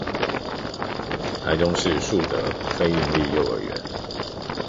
臺中市樹德非營利幼兒園